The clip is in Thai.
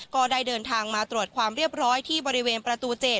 ก็ได้เดินทางมาตรวจความเรียบร้อยที่บริเวณประตู๗